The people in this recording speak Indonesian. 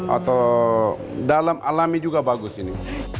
atau dalam alami juga bagus ini